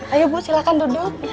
ayo bu silahkan duduk